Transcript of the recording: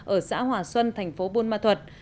ở xã hòa xuân thành phố buôn ma thuật